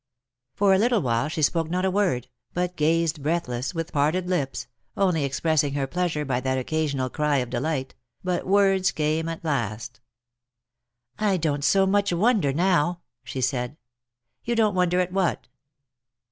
For a little while she spoke not a word, but gazed breathless, with parted lips, only expressing her pleasure by that occasional cry of delight; but words came at last. Lost for Love. 101 " I don't so much wonder now," she said. " You don't wonder at what